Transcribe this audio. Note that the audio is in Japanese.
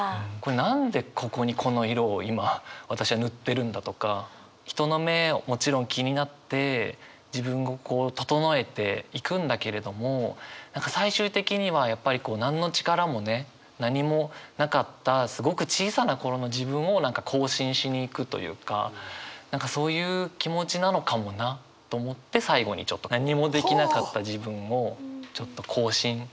何でここにこの色を今私は塗ってるんだとか人の目をもちろん気になって自分をこう整えて行くんだけれども最終的にはやっぱりこう何の力もね何もなかったすごく小さな頃の自分を更新しに行くというか何かそういう気持ちなのかもなと思って最後にちょっと何もできなかった自分をちょっと更新しに行く。